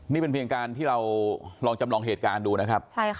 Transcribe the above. นี่เป็นเพียงการที่เราลองจำลองเหตุการณ์ดูนะครับ